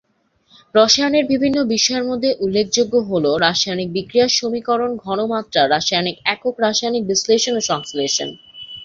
রসায়নের বিভিন্ন বিষয়ের মধ্যে উল্লেখযোগ্য হল রাসায়নিক বিক্রিয়া, সমীকরণ, ঘনমাত্রা, রাসায়নিক একক, রাসায়নিক বিশ্লেষণ ও সংশ্লেষণ।